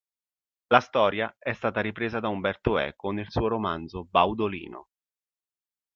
La storia è stata ripresa da Umberto Eco nel suo romanzo Baudolino.